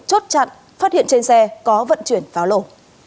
chốt chặn phát hiện trên xe có vận chuyển pháo lậu